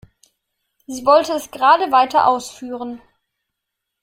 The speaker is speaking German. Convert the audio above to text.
Sie wollte es gerade weiter ausführen.